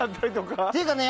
っていうかね